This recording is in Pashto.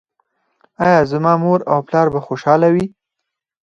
ایا زما مور او پلار به خوشحاله وي؟